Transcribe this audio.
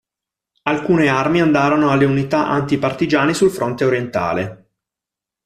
Alcune armi andarono alle unità anti-partigiani sul fronte orientale.